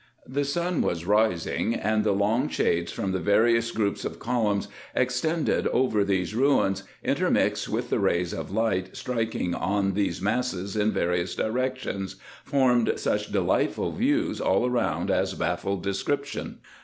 The sun was rising, and the long shades from the various groups of columns extended over these ruins, intermixed with the rays of light striking on these masses in various directions, formed such de lightful views all round as baffle description.